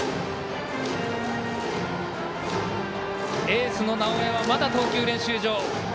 エースの直江は、まだ投球練習場。